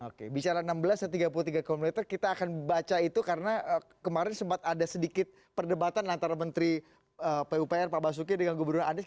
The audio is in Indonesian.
oke bicara enam belas atau tiga puluh tiga km kita akan baca itu karena kemarin sempat ada sedikit perdebatan antara menteri pupr pak basuki dengan gubernur anies